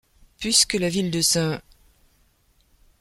Puisque la ville de St.